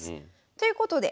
ということで。